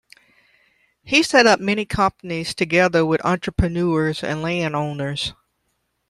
He set up many companies together with entrepreneurs and landowners.